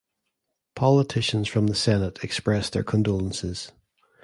Politicians from the senate expressed their condolences.